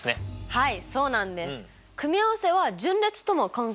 はい。